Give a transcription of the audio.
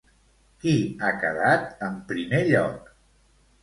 Qui ha quedat en primer lloc?